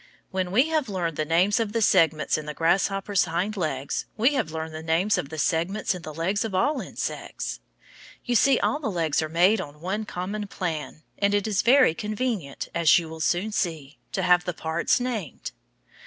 When we have learned the names of the segments in the grasshopper's hind leg, we have learned the names of the segments in the legs of all insects. You see all the legs are made on one common plan, and it is very convenient, as you will soon see, to have the parts named.